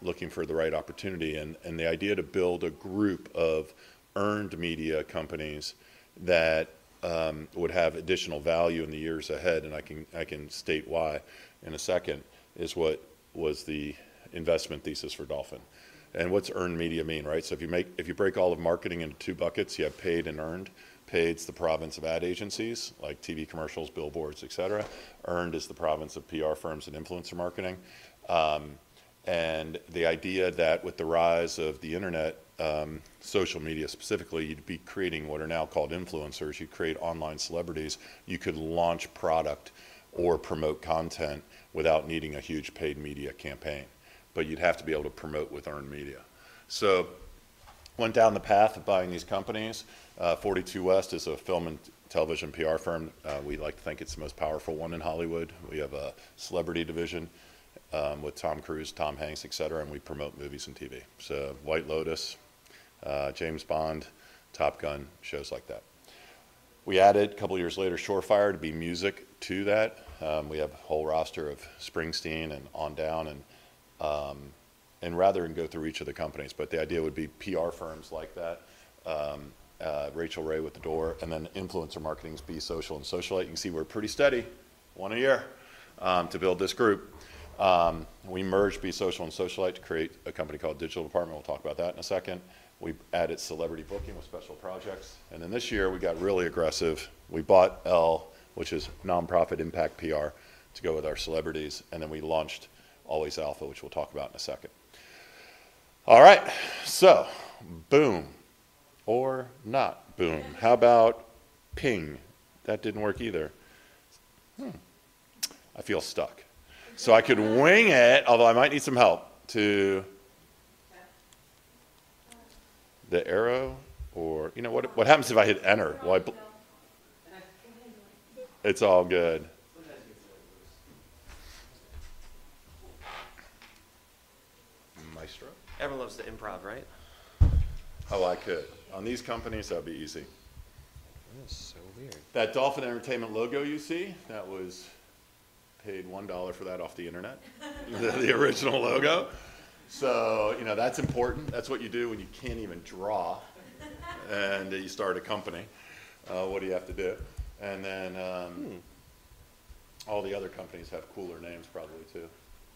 Looking for the right opportunity, and the idea to build a group of earned media companies that would have additional value in the years ahead, and I can state why in a second, is what was the investment thesis for Dolphin, and what's earned media mean, right, so if you break all of marketing into two buckets, you have paid and earned. Paid's the province of ad agencies, like TV commercials, billboards, et cetera. Earned is the province of PR firms and influencer marketing, and the idea that with the rise of the Internet, social media specifically, you'd be creating what are now called influencers. You'd create online celebrities. You could launch product or promote content without needing a huge paid media campaign. But you'd have to be able to promote with earned media, so went down the path of buying these companies. 42 West is a film and television PR firm. We like to think it's the most powerful one in Hollywood. We have a celebrity division with Tom Cruise, Tom Hanks, et cetera, and we promote movies and TV. So White Lotus, James Bond, Top Gun, shows like that. We added, a couple years later, Shore Fire to be music to that. We have a whole roster of Springsteen and on down, and rather than go through each of the companies, but the idea would be PR firms like that, Rachael Ray with The Door, and then influencer marketing's Be Social and Socialyte. You can see we're pretty steady, one a year, to build this group. We merged Be Social and Socialyte to create a company called Digital Department. We'll talk about that in a second. We added celebrity booking with Special Projects. And then this year we got really aggressive. We bought Elle, which is non-profit impact PR, to go with our celebrities, and then we launched Always Alpha, which we'll talk about in a second. All right. So, boom. Or not boom. How about ping? That didn't work either. I feel stuck. So I could wing it, although I might need some help to the arrow, or what happens if I hit enter? It's all good. Maestro? Everyone loves the improv, right? Oh, I could. On these companies, that would be easy. That is so weird. That Dolphin Entertainment logo you see? That was paid $1 for that off the Internet, the original logo. So that's important. That's what you do when you can't even draw and you start a company. What do you have to do, and then all the other companies have cooler names probably too.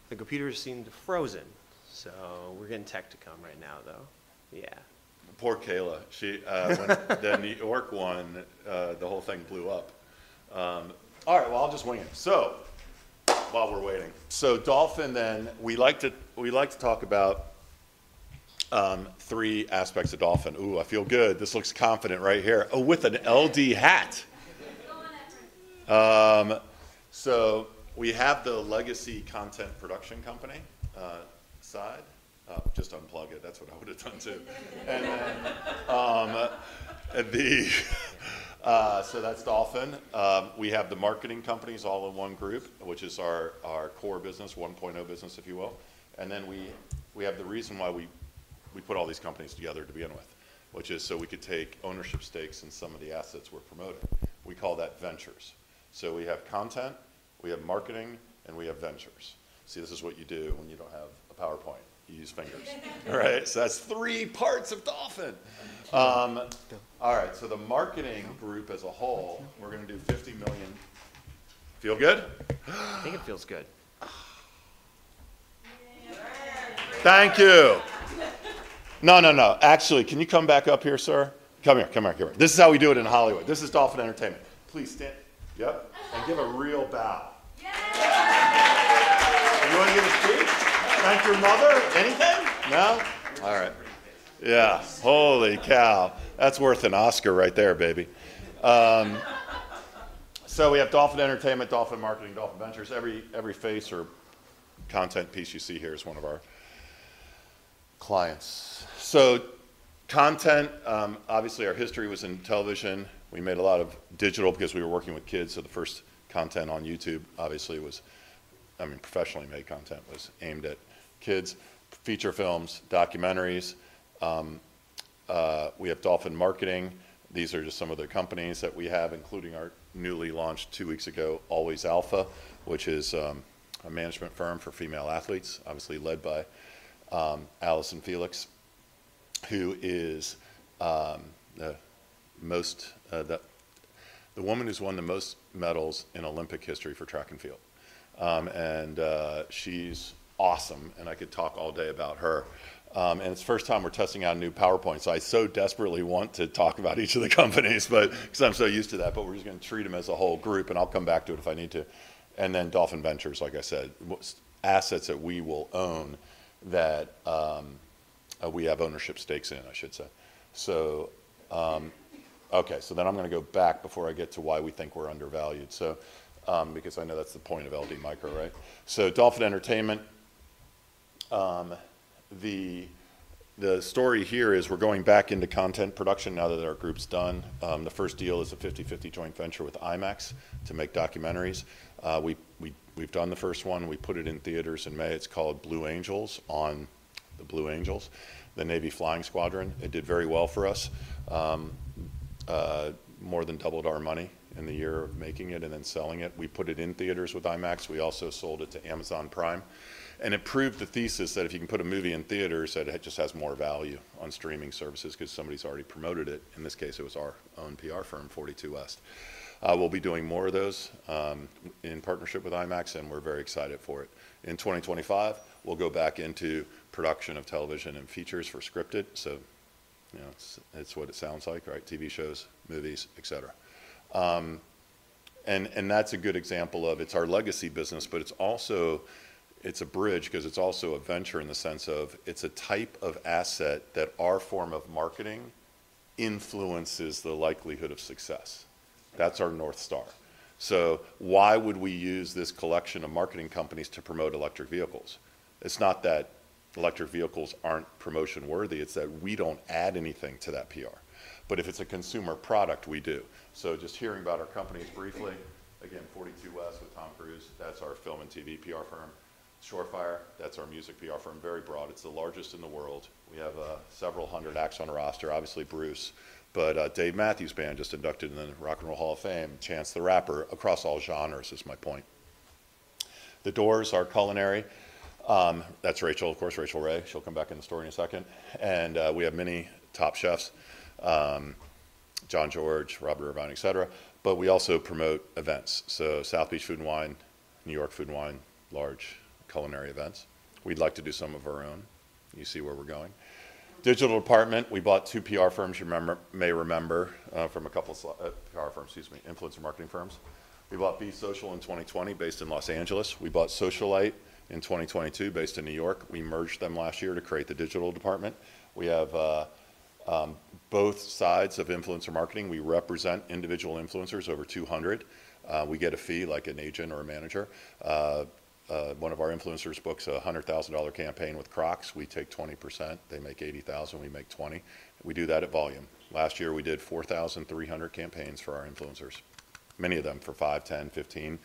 The computers seemed frozen. So we're getting tech to come right now, though. Yeah. Poor Kayla. The New York one, the whole thing blew up. All right. Well, I'll just wing it. So while we're waiting. So Dolphin then, we like to talk about three aspects of Dolphin. Ooh, I feel good. This looks confident right here. Oh, with an LD hat. So we have the legacy content production company side. Just unplug it. That's what I would have done too. So that's Dolphin. We have the marketing companies all in one group, which is our core business, 1.0 business, if you will. And then we have the reason why we put all these companies together to begin with, which is so we could take ownership stakes in some of the assets we're promoting. We call that ventures. So we have content, we have marketing, and we have ventures. See, this is what you do when you don't have a PowerPoint. You use fingers. All right? So that's three parts of Dolphin. All right. So the marketing group as a whole, we're going to do $50 million. Feel good? I think it feels good. Thank you. No, no, no. Actually, can you come back up here, sir? Come here. Come here. This is how we do it in Hollywood. This is Dolphin Entertainment. Please stand. Yep. And give a real bow. You want to give a speech? Thank your mother? Anything? No? All right. Yeah. Holy cow. That's worth an Oscar right there, baby. So we have Dolphin Entertainment, Dolphin Marketing, Dolphin Ventures. Every face or content piece you see here is one of our clients. So content, obviously our history was in television. We made a lot of digital because we were working with kids. So the first content on YouTube, obviously, was professionally made content aimed at kids, feature films, documentaries. We have Dolphin Marketing. These are just some of the companies that we have, including our newly launched two weeks ago, Always Alpha, which is a management firm for female athletes, obviously led by Allyson Felix, who is the woman who's won the most medals in Olympic history for track and field, and she's awesome, and I could talk all day about her, and it's the first time we're testing out a new PowerPoint, so I so desperately want to talk about each of the companies because I'm so used to that, but we're just going to treat them as a whole group, and I'll come back to it if I need to, and then Dolphin Ventures, like I said, assets that we will own that we have ownership stakes in, I should say. Okay. So then I'm going to go back before I get to why we think we're undervalued. So because I know that's the point of LD Micro, right? Dolphin Entertainment, the story here is we're going back into content production now that our group's done. The first deal is a 50/50 joint venture with IMAX to make documentaries. We've done the first one. We put it in theaters in May. It's called The Blue Angels, on the Blue Angels, the Navy Flying Squadron. It did very well for us, more than doubled our money in the year of making it and then selling it. We put it in theaters with IMAX. We also sold it to Amazon Prime. And it proved the thesis that if you can put a movie in theaters, that it just has more value on streaming services because somebody's already promoted it. In this case, it was our own PR firm, 42 West. We'll be doing more of those in partnership with IMAX, and we're very excited for it. In 2025, we'll go back into production of television and features for scripted, so it's what it sounds like, right? TV shows, movies, et cetera, and that's a good example of it's our legacy business, but it's also a bridge because it's also a venture in the sense of it's a type of asset that our form of marketing influences the likelihood of success. That's our North Star, so why would we use this collection of marketing companies to promote electric vehicles? It's not that electric vehicles aren't promotion-worthy. It's that we don't add anything to that PR, but if it's a consumer product, we do, so just hearing about our companies briefly, again, 42 West with Tom Cruise. That's our film and TV PR firm. Shore Fire, that's our music PR firm. Very broad. It's the largest in the world. We have several hundred acts on a roster, obviously Bruce, but Dave Matthews Band just inducted in the Rock and Roll Hall of Fame. Chance the Rapper across all genres is my point. The Door, our culinary. That's Rachael, of course, Rachael Ray. She'll come back in the story in a second. And we have many top chefs, Jean-Georges, Robert Irvine, et cetera. But we also promote events. So South Beach Food and Wine, New York Food and Wine, large culinary events. We'd like to do some of our own. You see where we're going. The Digital Dept., we bought two PR firms, you may remember, from a couple of PR firms, excuse me, influencer marketing firms. We bought Be Social in 2020, based in Los Angeles. We bought Socialyte in 2022, based in New York. We merged them last year to create the Digital Department. We have both sides of influencer marketing. We represent individual influencers, over 200. We get a fee like an agent or a manager. One of our influencers books a $100,000 campaign with Crocs. We take 20%. They make $80,000. We make $20,000. We do that at volume. Last year, we did 4,300 campaigns for our influencers. Many of them for 5, 10, 15,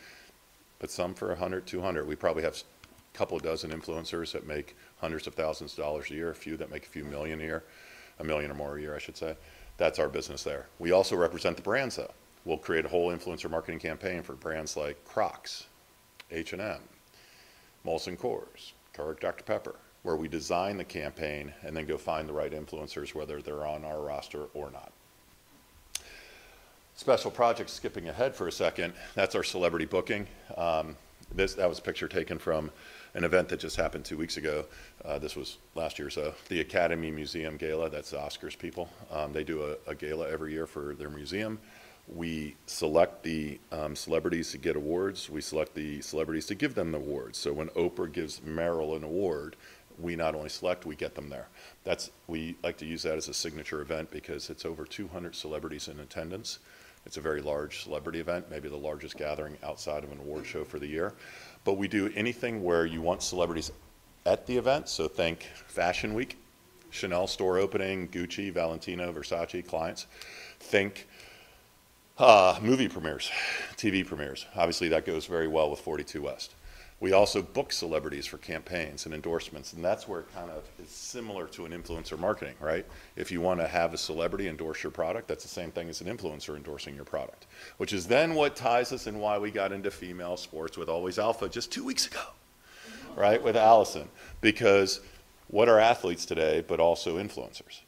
but some for 100, 200. We probably have a couple dozen influencers that make hundreds of thousands of dollars a year, a few that make a few million a year, a million or more a year, I should say. That's our business there. We also represent the brands, though. We'll create a whole influencer marketing campaign for brands like Crocs, H&M, Molson Coors, Keurig Dr Pepper. Pepper, where we design the campaign and then go find the right influencers, whether they're on our roster or not. Special Projects, skipping ahead for a second. That's our celebrity booking. That was a picture taken from an event that just happened two weeks ago. This was last year or so. The Academy Museum Gala, that's the Oscars people. They do a gala every year for their museum. We select the celebrities to get awards. We select the celebrities to give them the awards. So when Oprah gives Meryl an award, we not only select, we get them there. We like to use that as a signature event because it's over 200 celebrities in attendance. It's a very large celebrity event, maybe the largest gathering outside of an award show for the year. But we do anything where you want celebrities at the event. So think Fashion Week, Chanel store opening, Gucci, Valentino, Versace, clients. Think movie premieres, TV premieres. Obviously, that goes very well with 42 West. We also book celebrities for campaigns and endorsements. And that's where it kind of is similar to an influencer marketing, right? If you want to have a celebrity endorse your product, that's the same thing as an influencer endorsing your product, which is then what ties us and why we got into female sports with Always Alpha just two weeks ago, right, with Allyson. Because what are athletes today, but also influencers?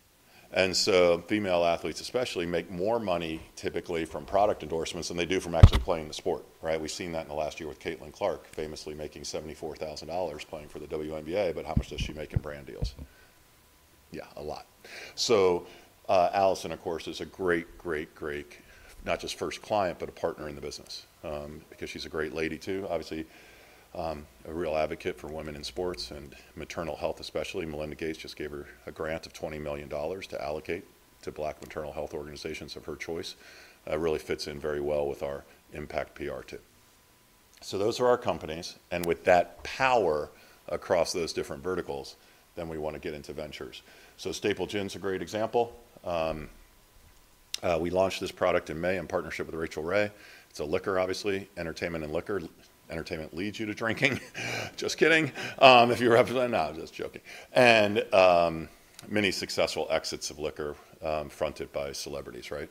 And so female athletes, especially, make more money typically from product endorsements than they do from actually playing the sport, right? We've seen that in the last year with Caitlin Clark, famously making $74,000 playing for the WNBA. But how much does she make in brand deals? Yeah, a lot. Allyson, of course, is a great, great, great, not just first client, but a partner in the business because she's a great lady too. Obviously, a real advocate for women in sports and maternal health, especially. Melinda Gates just gave her a grant of $20 million to allocate to Black maternal health organizations of her choice. It really fits in very well with our impact PR too. So those are our companies. And with that power across those different verticals, then we want to get into ventures. So Staple Gin's a great example. We launched this product in May in partnership with Rachael Ray. It's a liquor, obviously, entertainment and liquor. Entertainment leads you to drinking. Just kidding. If you're up to that, no, I'm just joking. And many successful exits of liquor fronted by celebrities, right?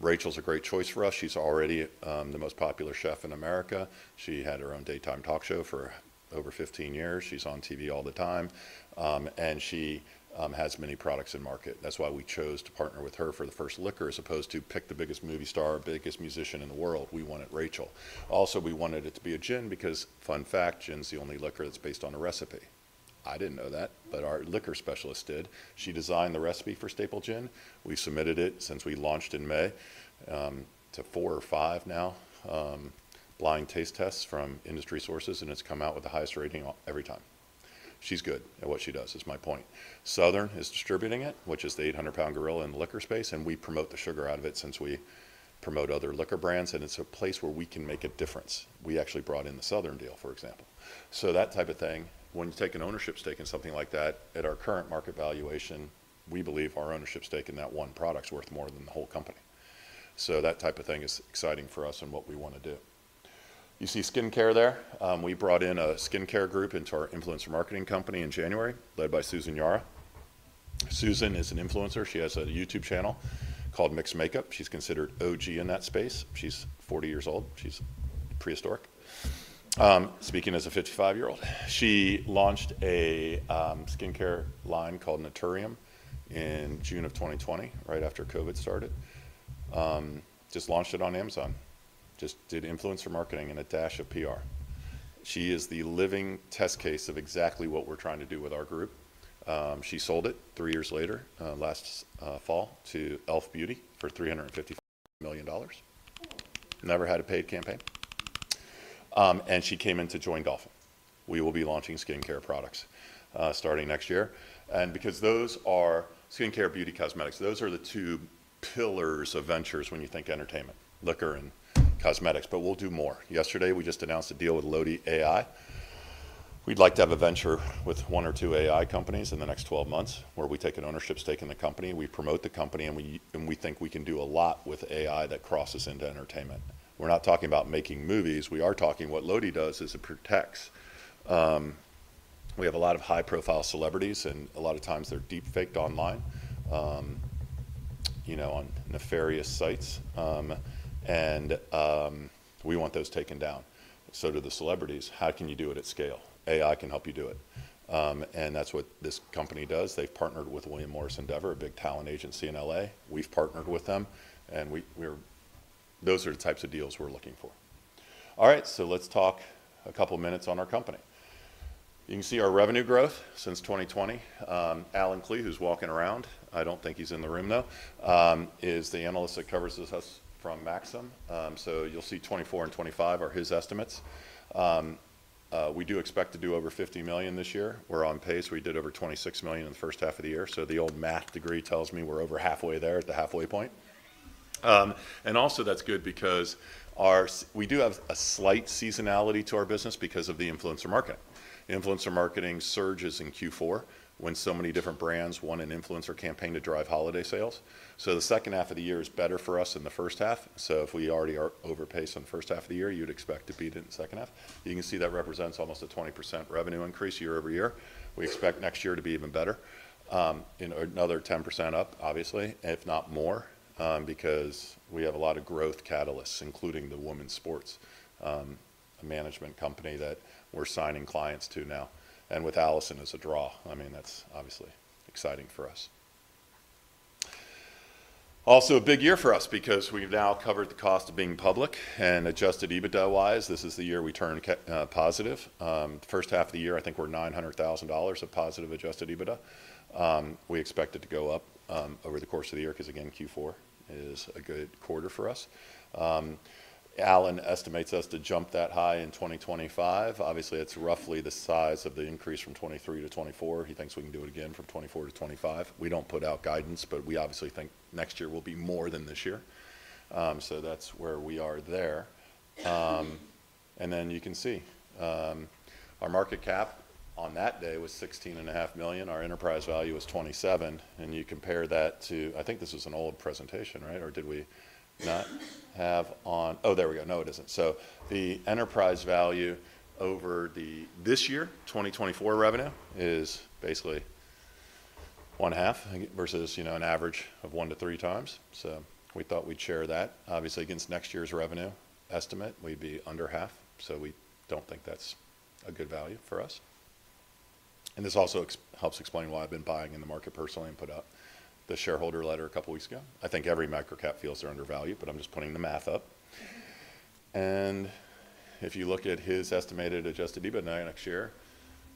Rachael's a great choice for us. She's already the most popular chef in America. She had her own daytime talk show for over 15 years. She's on TV all the time, and she has many products in the market. That's why we chose to partner with her for the first liquor as opposed to pick the biggest movie star, biggest musician in the world. We wanted Rachael. Also, we wanted it to be a gin because fun fact, gin's the only liquor that's based on a recipe. I didn't know that, but our liquor specialist did. She designed the recipe for Staple Gin. We submitted it, since we launched in May, to four or five now, blind taste tests from industry sources, and it's come out with the highest rating every time. She's good at what she does, is my point. Southern is distributing it, which is the 800-pound gorilla in the liquor space, and we promote the shit out of it since we promote other liquor brands, and it's a place where we can make a difference. We actually brought in the Southern deal, for example, so that type of thing, when you take an ownership stake in something like that, at our current market valuation, we believe our ownership stake in that one product's worth more than the whole company, so that type of thing is exciting for us and what we want to do. You see skincare there. We brought in a skincare group into our influencer marketing company in January, led by Susan Yara. Susan is an influencer. She has a YouTube channel called Mix Makeup. She's considered OG in that space. She's 40 years old. She's prehistoric, speaking as a 55-year-old. She launched a skincare line called Naturium in June of 2020, right after COVID started. Just launched it on Amazon. Just did influencer marketing and a dash of PR. She is the living test case of exactly what we're trying to do with our group. She sold it three years later, last fall, to e.l.f. Beauty for $350 million. Never had a paid campaign. And she came in to join Dolphin. We will be launching skincare products starting next year. And because those are skincare, beauty, cosmetics, those are the two pillars of ventures when you think entertainment, liquor, and cosmetics. But we'll do more. Yesterday, we just announced a deal with Loti AI. We'd like to have a venture with one or two AI companies in the next 12 months where we take an ownership stake in the company. We promote the company, and we think we can do a lot with AI that crosses into entertainment. We're not talking about making movies. We are talking what Loti does is it protects. We have a lot of high-profile celebrities, and a lot of times they're deepfaked online on nefarious sites, and we want those taken down, so do the celebrities. How can you do it at scale? AI can help you do it, and that's what this company does. They've partnered with William Morris Endeavor, a big talent agency in L.A.. We've partnered with them, and those are the types of deals we're looking for. All right, so let's talk a couple of minutes on our company. You can see our revenue growth since 2020. Alan Klee, who's walking around, I don't think he's in the room, though, is the analyst that covers this from Maxim. You'll see 24 and 25 are his estimates. We do expect to do over $50 million this year. We're on pace. We did over $26 million in the first half of the year. So the old math degree tells me we're over halfway there at the halfway point. And also, that's good because we do have a slight seasonality to our business because of the influencer marketing. Influencer marketing surges in Q4 when so many different brands want an influencer campaign to drive holiday sales. So the second half of the year is better for us than the first half. So if we already are on pace in the first half of the year, you'd expect to beat it in the second half. You can see that represents almost a 20% revenue increase year over year. We expect next year to be even better, another 10% up, obviously, if not more, because we have a lot of growth catalysts, including the Women's Sports Management Company that we're signing clients to now. And with Allyson as a draw, I mean, that's obviously exciting for us. Also, a big year for us because we've now covered the cost of being public and adjusted EBITDA-wise. This is the year we turned positive. First half of the year, I think we're $900,000 of positive adjusted EBITDA. We expect it to go up over the course of the year because, again, Q4 is a good quarter for us. Alan estimates us to jump that high in 2025. Obviously, it's roughly the size of the increase from 2023 to 2024. He thinks we can do it again from 2024 to 2025. We don't put out guidance, but we obviously think next year will be more than this year. So that's where we are there. And then you can see our market cap on that day was $16.5 million. Our enterprise value was $27 million. And you compare that to, I think this was an old presentation, right? Or did we not have on? Oh, there we go. No, it isn't. So the enterprise value over this year, 2024 revenue is basically 0.5 versus an average of 1x-3x. So we thought we'd share that. Obviously, against next year's revenue estimate, we'd be under 0.5. So we don't think that's a good value for us. And this also helps explain why I've been buying in the market personally and put out the shareholder letter a couple of weeks ago. I think every micro cap feels they're undervalued, but I'm just putting the math up, and if you look at his estimated Adjusted EBITDA next year,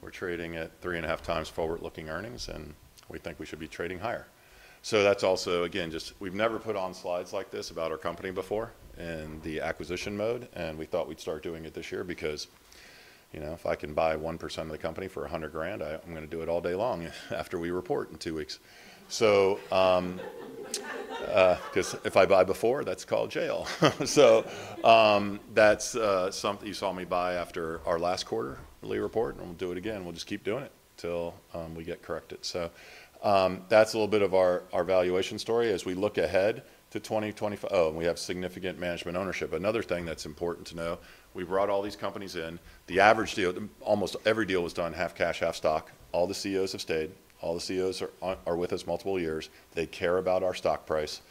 we're trading at three and a half times forward-looking earnings, and we think we should be trading higher. That's also, again, just we've never put on slides like this about our company before in the acquisition mode, and we thought we'd start doing it this year because if I can buy 1% of the company for $100,000, I'm going to do it all day long after we report in two weeks. Because if I buy before, that's called jail. That's something you saw me buy after our last quarterly report, and we'll do it again. We'll just keep doing it until we get corrected. That's a little bit of our valuation story as we look ahead to 2025. Oh, and we have significant management ownership. Another thing that's important to know, we brought all these companies in. The average deal, almost every deal was done half cash, half stock. All the CEOs have stayed. All the CEOs are with us multiple years. They care about our stock price.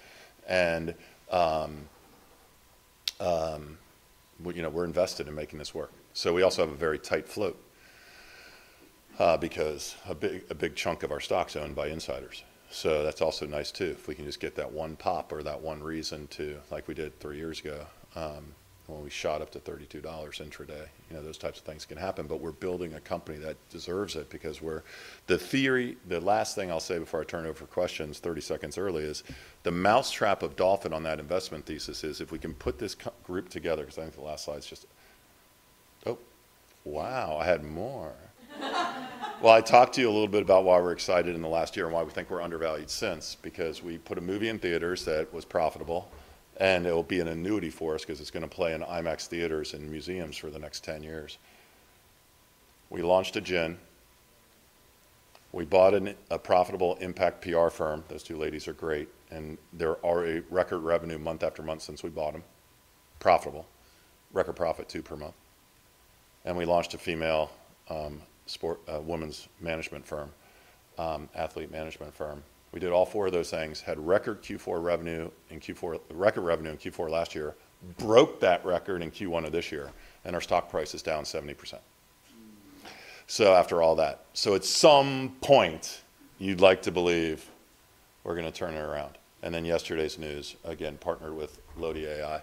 And we're invested in making this work. So we also have a very tight float because a big chunk of our stock's owned by insiders. So that's also nice too. If we can just get that one pop or that one reason to, like we did three years ago when we shot up to $32 intra-day, those types of things can happen. But we're building a company that deserves it because we're the theory. The last thing I'll say before I turn it over for questions, 30 seconds early, is the mousetrap of Dolphin on that investment thesis is if we can put this group together, because I think the last slide's just, oh, wow, I had more. Well, I talked to you a little bit about why we're excited in the last year and why we think we're undervalued since, because we put a movie in theaters that was profitable, and it will be an annuity for us because it's going to play in IMAX theaters and museums for the next 10 years. We launched a gin. We bought a profitable impact PR firm. Those two ladies are great, and they're already record revenue month after month since we bought them. Profitable. Record profit too per month, and we launched a female women's management firm, athlete management firm. We did all four of those things, had record Q4 revenue in Q4, record revenue in Q4 last year, broke that record in Q1 of this year, and our stock price is down 70%. So after all that, so at some point, you'd like to believe we're going to turn it around. And then yesterday's news, again, partnered with Loti AI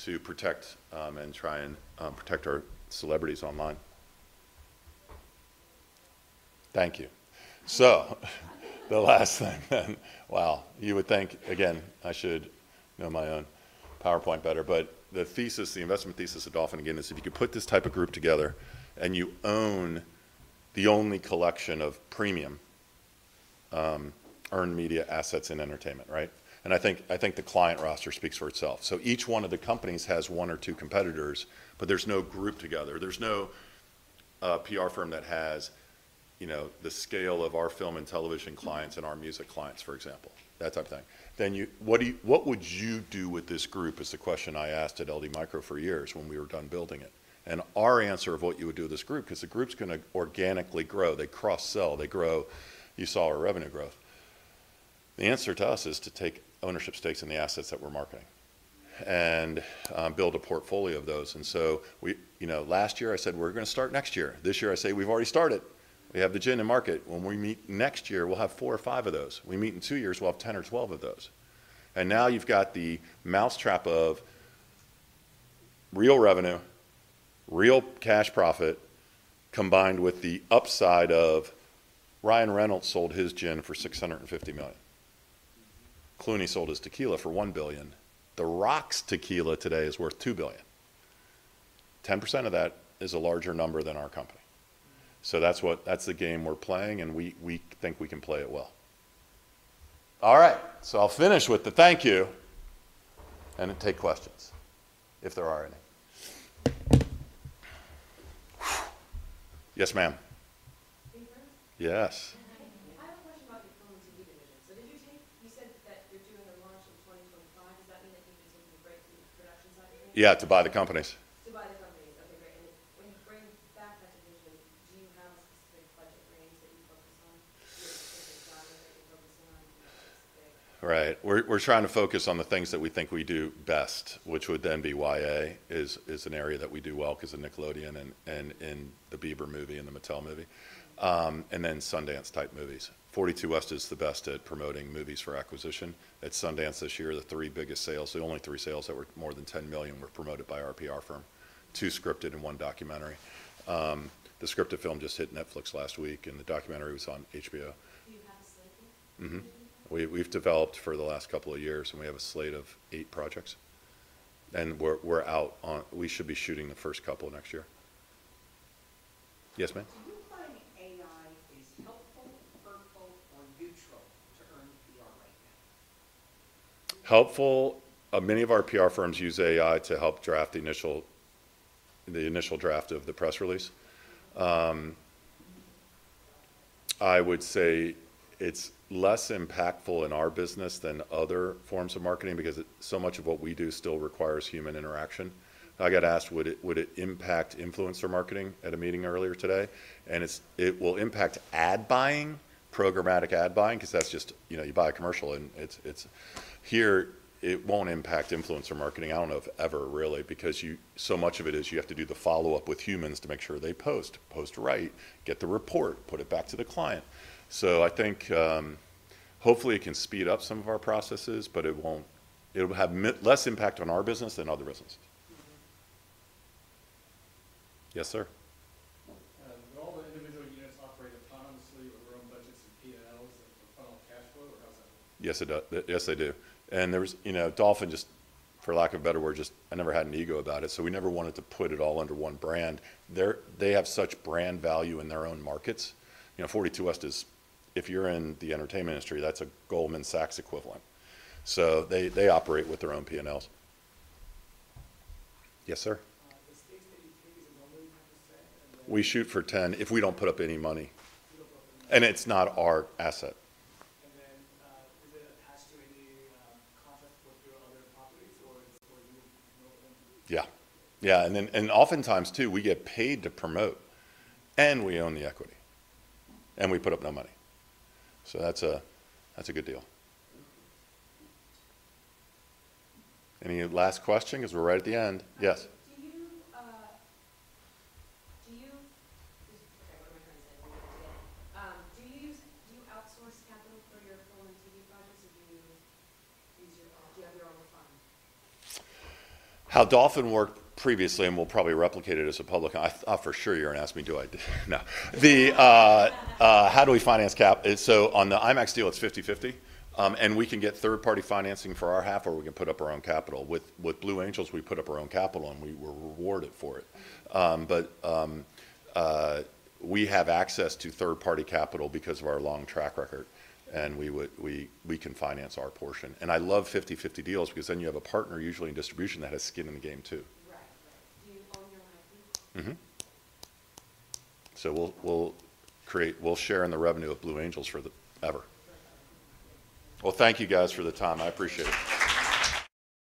to protect and try and protect our celebrities online. Thank you. So the last thing, wow, you would think, again, I should know my own PowerPoint better. But the thesis, the investment thesis of Dolphin again is if you could put this type of group together and you own the only collection of premium earned media assets in entertainment, right? And I think the client roster speaks for itself. So each one of the companies has one or two competitors, but there's no group together. There's no PR firm that has the scale of our film and television clients and our music clients, for example, that type of thing. Then what would you do with this group is the question I asked at LD Micro for years when we were done building it. And our answer of what you would do with this group, because the group's going to organically grow, they cross-sell, they grow, you saw our revenue growth. The answer to us is to take ownership stakes in the assets that we're marketing and build a portfolio of those. And so last year I said, "We're going to start next year." This year I say, "We've already started. We have the gin in market. When we meet next year, we'll have four or five of those. We meet in two years, we'll have 10 or 12 of those." And now you've got the mousetrap of real revenue, real cash profit combined with the upside of Ryan Reynolds sold his gin for $650 million. Clooney sold his tequila for $1 billion. The Rock's tequila today is worth $2 billion. 10% of that is a larger number than our company. So that's the game we're playing, and we think we can play it well. All right. So I'll finish with the thank you and take questions if there are any. Yes, ma'am. Yes. I have a question about your film and TV division. So did you take you said that you're doing a launch in 2025. Does that mean that you've been taking a break from the production side of things? Yeah, to buy the companies. To buy the companies. Okay, great. And when you bring back that division, do you have a specific budget range that you focus on? Do you have a specific genre that you're focusing on? Right. We're trying to focus on the things that we think we do best, which would then be YA is an area that we do well because of Nickelodeon and in the Bieber movie and the Mattel movie. And then Sundance-type movies. 42 West is the best at promoting movies for acquisition. At Sundance this year, the three biggest sales, the only three sales that were more than $10 million were promoted by our PR firm, two scripted and one documentary. The scripted film just hit Netflix last week, and the documentary was on HBO. Do you have a slate yet? We've developed for the last couple of years, and we have a slate of eight projects. And we're out on we should be shooting the first couple next year. Yes, ma'am. Do you find AI is helpful, hurtful, or neutral to earned PR right now? Helpful. Many of our PR firms use AI to help draft the initial draft of the press release. I would say it's less impactful in our business than other forms of marketing because so much of what we do still requires human interaction. I got asked, would it impact influencer marketing at a meeting earlier today? And it will impact ad buying, programmatic ad buying, because that's just you buy a commercial, and here, it won't impact influencer marketing. I don't know if ever, really, because so much of it is you have to do the follow-up with humans to make sure they post, post right, get the report, put it back to the client. So I think hopefully it can speed up some of our processes, but it will have less impact on our business than other businesses. Yes, sir. Will all the individual units operate autonomously with their own budgets and P&Ls and funnel cash flow, or how does that work? Yes, they do. And Dolphin, just for lack of a better word, just I never had an ego about it. So we never wanted to put it all under one brand. They have such brand value in their own markets. 42 West is, if you're in the entertainment industry, that's a Goldman Sachs equivalent. So they operate with their own P&Ls. Yes, sir. Is the stake that you create normally 10%? We shoot for 10% if we don't put up any money. And it's not our asset. And then, is it attached to any contract with your other properties, or do you own it? Yeah. Yeah. And oftentimes, too, we get paid to promote, and we own the equity, and we put up no money. So that's a good deal. Any last question because we're right at the end? Yes. Do you, okay, what am I trying to say? I'm going to do it again. Do you outsource capital for your film and TV projects, or do you use your own? Do you have your own fund? How Dolphin worked previously, and we'll probably replicate it as a public. For sure, you're going to ask me, do I? No. How do we finance capital? So on the IMAX deal, it's 50/50. And we can get third-party financing for our half, or we can put up our own capital. With Blue Angels, we put up our own capital, and we were rewarded for it. But we have access to third-party capital because of our long track record, and we can finance our portion. And I love 50/50 deals because then you have a partner, usually in distribution, that has skin in the game too. Right. Right. Do you own your own equity? Mm-hmm. So we'll share in the revenue of Blue Angels forever. Well, thank you, guys, for the time. I appreciate it.